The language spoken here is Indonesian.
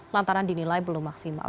lantaran dinilai belum maksimal